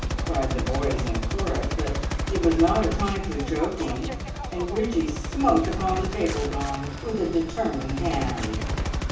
cried the boys in chorus; but it was not a time for joking, and Bridgie smote upon the table gong with a determined hand.